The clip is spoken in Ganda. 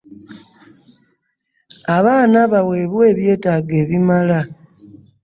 Abaana baweebwe ebyetaago ebimala.